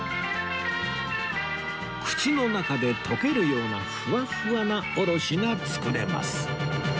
口の中で溶けるようなフワフワなおろしが作れます